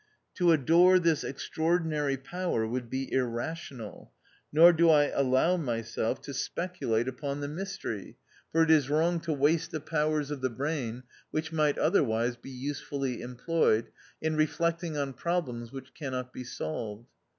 To adore this extraordinary Power would be irrational ; nor do I allow myself to specu 258 THE OUTCAST. late upon the mystery ; for it is wrong to waste the powers of the brain, which might otherwise be usefully employed, in reflecting on problems which cannot be solved.